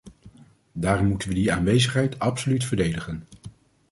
Daarom moeten we die aanwezigheid absoluut verdedigen.